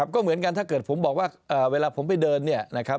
ก็เหมือนกันถ้าเกิดผมบอกว่าเวลาผมไปเดิน